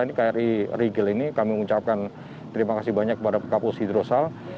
ini kri rigel ini kami mengucapkan terima kasih banyak kepada kapus hidrosal